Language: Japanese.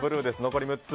残り６つ。